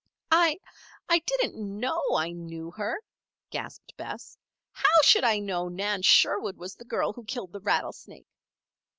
"I I didn't know I knew her," gasped Bess. "How should I know Nan Sherwood was the girl who killed the rattlesnake?"